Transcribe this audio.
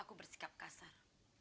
aku bersikap kasar